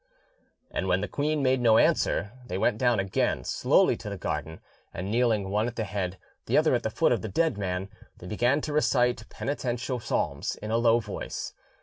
And when the queen made no answer, they went down again slowly to the garden, and kneeling one at the head, the other at the foot of the dead man, they began to recite penitential psalms in a low voice.